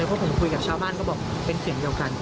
เพราะผมคุยกับชาวบ้านก็บอกเป็นเสียงเดียวกัน